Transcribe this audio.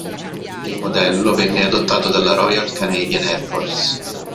Il modello venne adottato dalla Royal Canadian Air Force.